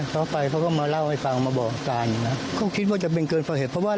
ลูกเราไม่ได้ไปก่อเหตุอะไร